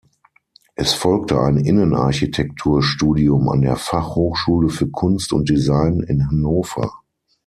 Es folgte ein Innenarchitektur-Studium an der Fachhochschule für Kunst und Design in Hannover.